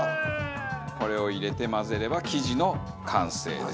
これを入れて混ぜれば生地の完成です。